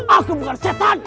aku bukan setan